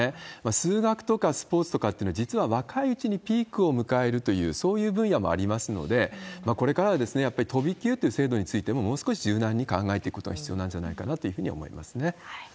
数学とかスポーツとかっていうのは、実は若いうちにピークを迎えるという、そういう分野もありますので、これからはやっぱり飛び級という制度についても、もう少し柔軟に考えていくことが必要なんじゃないかなというふうに思いますね。